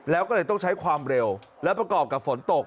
แล้วก็เลยต้องใช้ความเร็วและประกอบกับฝนตก